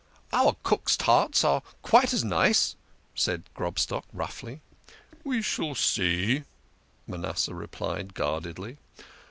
"Our cook's tarts are quite as nice," said Grobstock roughly. " We shall see," Manasseh replied guardedly.